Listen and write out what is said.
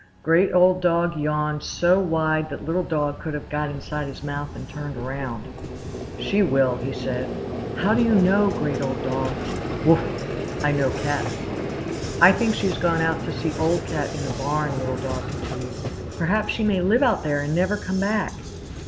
Great Old Dog yawned so wide that Little Dog could have got inside his mouth and turned around. "She will!" he said. "How do you know, Great Old Dog?" "Wuff! I know cats." "I think she has gone out to see Old Cat in the Barn," Little Dog continued. "Perhaps she may live out there and never come back."